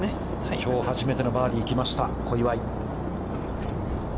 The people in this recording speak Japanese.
きょう、初めてのバーディー、来ました小祝。